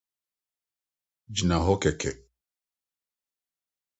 Gyina hɔ kɛkɛ.